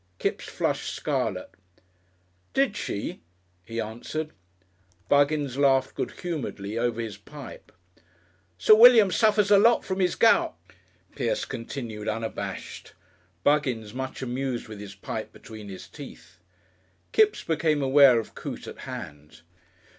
Kipps flushed scarlet. "Did she?" he answered. Buggins laughed good humouredly over his pipe. "Sir William suffers a lot from his gout," Pierce continued unabashed. (Buggins much amused with his pipe between his teeth.) Kipps became aware of Coote at hand.